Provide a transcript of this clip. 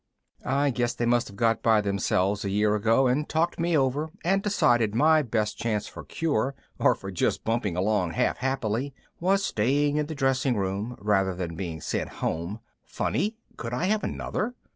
I guess they must have got by themselves a year ago and talked me over and decided my best chance for cure or for just bumping along half happily was staying in the dressing room rather than being sent home (funny, could I have another?)